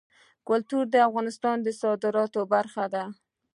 کلتور د افغانستان د صادراتو برخه ده.